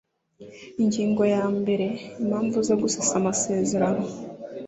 Ingingo ya mbere Impamvu zo gusesa amasezerano